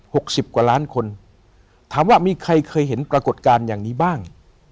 สิบกว่าล้านคนถามว่ามีใครเคยเห็นปรากฏการณ์อย่างนี้บ้าง